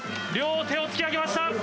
両手を突き上げました！